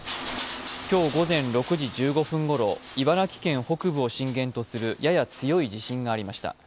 今日午前６時１５分ごろ、茨城県北部を震源とするやや強い地震がありました。